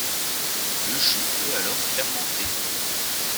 Le jus peut alors fermenter.